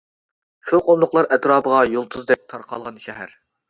شۇ قۇملۇقلار ئەتراپىغا يۇلتۇزدەك تارقالغان شەھەر.